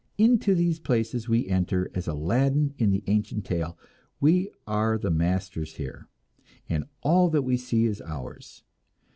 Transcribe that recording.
Into these places we enter as Aladdin in the ancient tale; we are the masters here, and all that we see is ours.